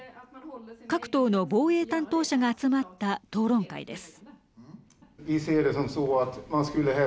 各党の防衛担当者が集まった討論会です。